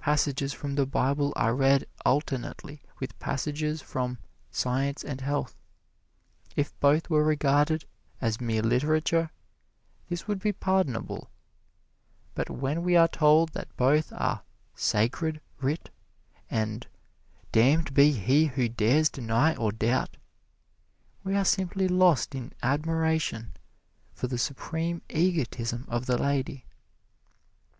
Passages from the Bible are read alternately with passages from "Science and Health." If both were regarded as mere literature, this would be pardonable, but when we are told that both are "sacred" writ, and "damned be he who dares deny or doubt," we are simply lost in admiration for the supreme egotism of the lady.